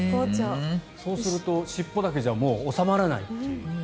そうすると尻尾だけじゃもう収まらないと。